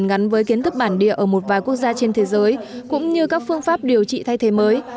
ngắn với kiến thức bản địa ở một vài quốc gia trên thế giới cũng như các phương pháp điều trị thay thế mới